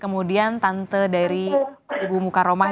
kemudian tante dari ibu mukaroma ya